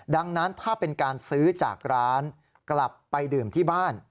ดังนั้นถ้าเป็นการซื้อจากร้านกลับไปดื่มที่บ้าน